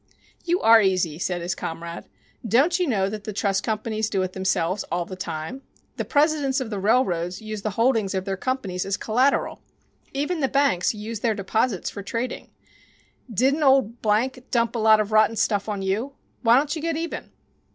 "You are easy," said his comrade. "Don't you know that the trust companies do it themselves all the time? The presidents of the railroads use the holdings of their companies as collateral. Even the banks use their deposits for trading. Didn't old dump a lot of rotten stuff on you? Why don't you get even?